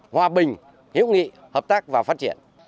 hòa bình hiệu nghị hợp tác